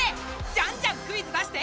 じゃんじゃんクイズ出して！